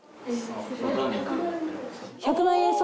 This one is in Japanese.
１００万円。